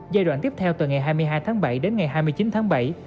giai đoạn tiếp theo từ ngày hai mươi hai tháng bảy đến ngày hai mươi chín tháng bảy